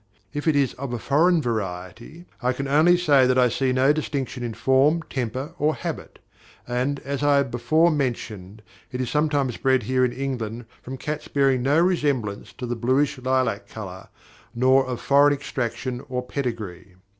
If it is a foreign variety, I can only say that I see no distinction in form, temper, or habit; and, as I have before mentioned, it is sometimes bred here in England from cats bearing no resemblance to the bluish lilac colour, nor of foreign extraction or pedigree.